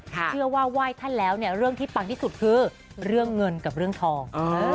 เชื่อว่าไหว้ท่านแล้วเนี่ยเรื่องที่ปังที่สุดคือเรื่องเงินกับเรื่องทอง